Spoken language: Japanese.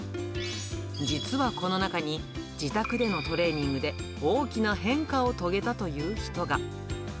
実はこの中に、自宅でのトレーニングで大きな変化を遂げたという人が。